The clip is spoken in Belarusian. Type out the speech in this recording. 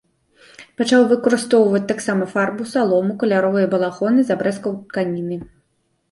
Пачаў выкарыстоўваць таксама фарбу, салому, каляровыя балахоны з абрэзкаў тканіны.